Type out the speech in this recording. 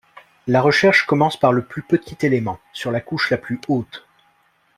La recherche commence par le plus petit élément, sur la couche la plus haute.